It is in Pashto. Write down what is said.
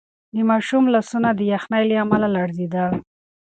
د ماشوم لاسونه د یخنۍ له امله لړزېدل.